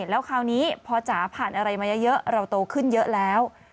แล้วคราวนี้พอจ๋าผ่านอะไรมาเยอะเราโตขึ้นเยอะแล้ว